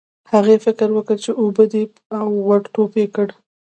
هغې فکر وکړ چې اوبه دي او ور ټوپ یې کړل.